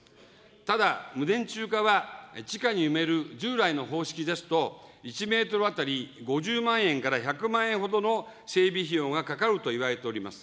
ただ、無電柱化は地下に埋める従来の方式ですと、１メートル当たり５０万円から１００万円ほどの整備費用がかかるといわれております。